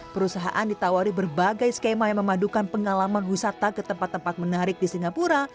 perusahaan ditawari berbagai skema yang memadukan pengalaman wisata ke tempat tempat menarik di singapura